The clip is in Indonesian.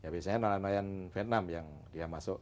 biasanya nelayan nelayan vietnam yang masuk